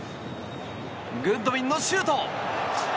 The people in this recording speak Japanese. グッドウィンのシュート。